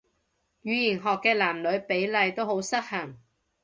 語言學嘅男女比例都好失衡